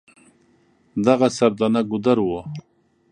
دغه سردنه ګودر و.